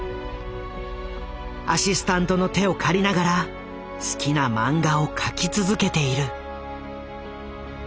アシスタントの手を借りながら好きな漫画を描き続けている。